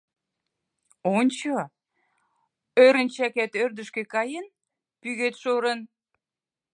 — Ончо: ӧрынчакет ӧрдыжкӧ каен, пӱгет шӧрын.